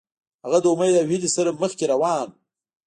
هغه د امید او هیلې سره مخکې روان و.